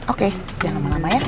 oke jangan lama lama ya